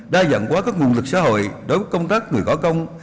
đa dạng quá các nguồn lực xã hội đối với công tác người có công